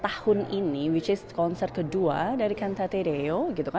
tahun ini konser kedua dari cantate deo